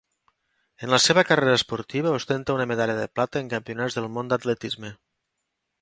En la seva carrera esportiva ostenta una medalla de plata en campionats del món d'atletisme.